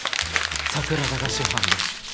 桜田が主犯です。